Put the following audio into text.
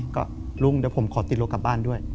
ก็ลุงเดี๋ยวผมขอติดรถกลับบ้านด้วย